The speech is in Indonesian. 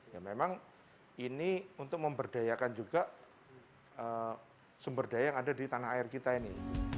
ya memang ini untuk memberdayakan juga sumber daya yang ada di tanah air kita ini